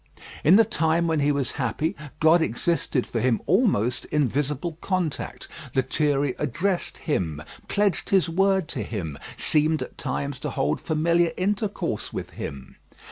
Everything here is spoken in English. In the time when he was happy, God existed for him almost in visible contact. Lethierry addressed Him, pledged his word to Him, seemed at times to hold familiar intercourse with Him.